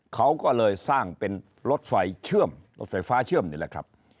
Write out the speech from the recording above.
เขาก็เลยสร้างเป็นรถไฟเชื่อมรถไฟฟ้าเชื่อมนี่แหละครับ